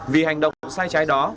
vì hành động sai trái đó